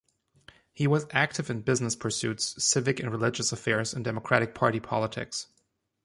He was active in business pursuits, civic and religious affairs and Democratic Party politics.